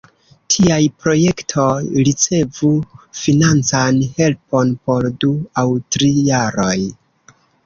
Tiaj projektoj ricevu financan helpon por du aŭ tri jaroj.